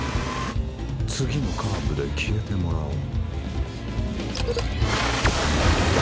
つぎのカーブできえてもらおう。